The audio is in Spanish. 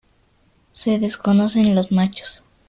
Se desconocen los machos.